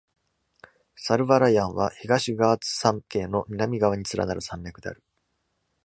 Servarayan は、東ガーツ山系の南側に連なる山脈である。